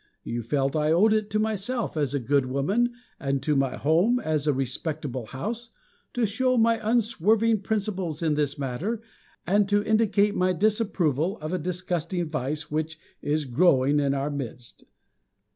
You felt I owed it to myself, as a good woman, and to my home, as a respectable house, to show my unswerving principles in this matter, and to indicate my disapproval of a disgusting vice, which is growing in our midst.